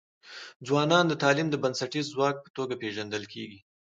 ځوانان د تعلیم د بنسټیز ځواک په توګه پېژندل کيږي.